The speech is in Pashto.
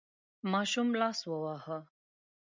ماشوم لاس وواهه.